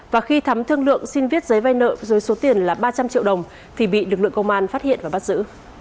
và khi thắm thương lượng xin viết giấy vay nợ dưới số tiền là ba trăm linh triệu đồng thì bị lực lượng công an phát hiện và bắt giữ